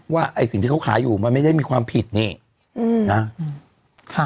ว่าไอ้สิ่งที่เขาขายอยู่มันไม่ได้มีความผิดนี่นะ